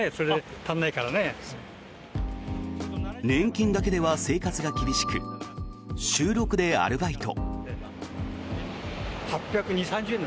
年金だけでは生活が厳しく週６でアルバイト。